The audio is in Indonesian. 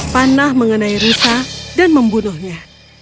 panah mengenai rusa dan membunuhnya